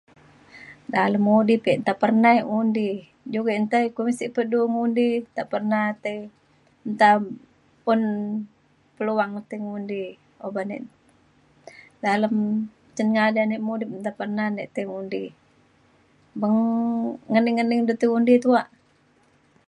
dalem udip ek nta pernah ek undi, jukuk ek nta ek kumin pe sik du ngundi nta pernah tai nta un peluang tai ngundi oban ek dalem ceng ngadan ek mudip ne nta pernah nik tai ngundi beng ngening negening du tai undi tuak.